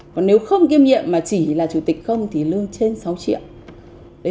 còn nếu không kiêm nhiệm mà chỉ là chủ tịch không thì lương trên sáu triệu